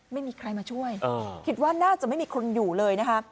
ไม่มีใครมาช่วยคิดว่าน่าจะไม่มีคนอยู่เลยนะคะ